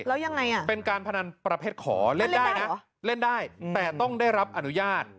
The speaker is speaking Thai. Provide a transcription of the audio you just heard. แล้วยังไงอ่ะเป็นการพนันประเภทขอเล่นได้นะเล่นได้แต่ต้องได้รับอนุญาต